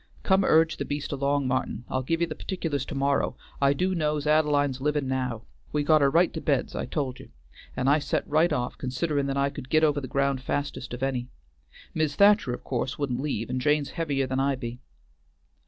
Come urge the beast along, Martin, I'll give ye the partic'lars to morrow, I do' know's Ad'line's livin' now. We got her right to bed's I told you, and I set right off considerin' that I could git over the ground fastest of any. Mis' Thacher of course wouldn't leave and Jane's heavier than I be."